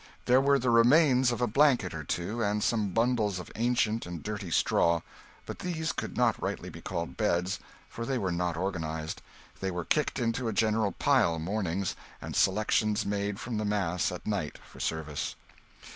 There were the remains of a blanket or two, and some bundles of ancient and dirty straw, but these could not rightly be called beds, for they were not organised; they were kicked into a general pile, mornings, and selections made from the mass at night, for service.